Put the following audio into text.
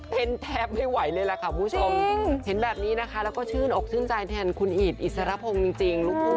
เป็นแทบไม่ไหวเลยล่ะค่ะคุณผู้ชมเห็นแบบนี้นะคะแล้วก็ชื่นอกชื่นใจแทนคุณอีดอิสรพงศ์จริง